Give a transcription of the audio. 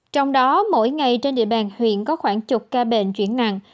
trong đó mỗi ngày trên địa bàn huyện có khoảng chục ca bệnh chuyển nặng